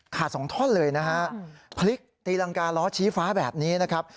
สองท่อนเลยนะฮะพลิกตีรังกาล้อชี้ฟ้าแบบนี้นะครับ